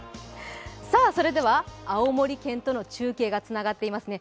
それでは、青森県と中継がつながっていますね。